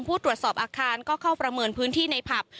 ตัวแทนสทางมีการสำรวจนำอาคาร